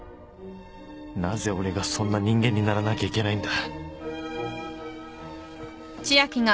なぜ俺がそんな人間にならなきゃいけないんだ！？